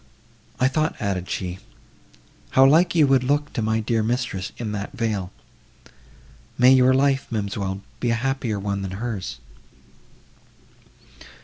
"I thought," added she, "how like you would look to my dear mistress in that veil;—may your life, ma'amselle, be a happier one than hers!"